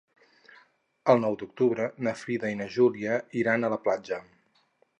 El nou d'octubre na Frida i na Júlia iran a la platja.